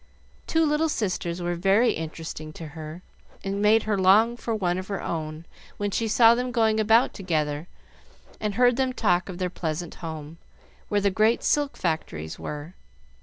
Two little sisters were very interesting to her, and made her long for one of her own when she saw them going about together and heard them talk of their pleasant home, where the great silk factories were.